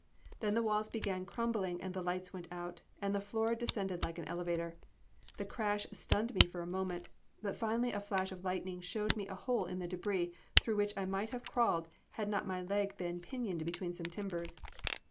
Then the walls began crumbling, and the lights went out, and the floor descended like an elevator. The crash stunned me for a moment, but finally a flash of lightning showed me a hole in the debris, through which I might have crawled had not my leg been pinioned between some timbers.